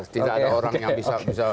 tidak ada orang yang bisa